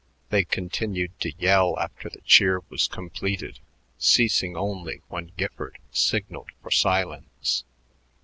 They continued to yell after the cheer was completed, ceasing only when Gifford signaled for silence.